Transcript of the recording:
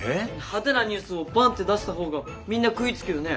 派手なニュースをバンッて出した方がみんな食いつくよね？